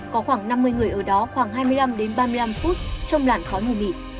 có khoảng năm mươi người ở đó khoảng hai mươi năm đến ba mươi năm phút trong làn khói mù mịt